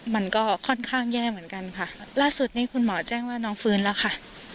มันก็ค่อนข้างแย่เหมือนกันค่ะล่าสุดนี้คุณหมอแจ้งว่าน้องฟื้นแล้วค่ะ